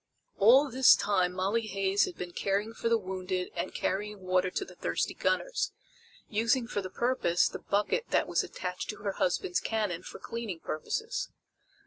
All this time Molly Hays had been caring for the wounded and carrying water to the thirsty gunners, using for the purpose the bucket that was attached to her husband's cannon for cleaning purposes.